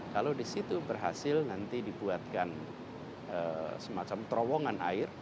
kalau di situ berhasil nanti dibuatkan semacam terowongan air